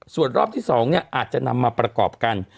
ส่วนรอบที่๒อาจจะนำมาประกอบกัน